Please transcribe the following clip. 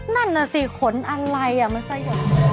นั่นน่ะสิขนอะไรมันสยอง